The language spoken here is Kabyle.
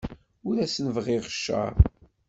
Ur asen-bɣiɣ cceṛ.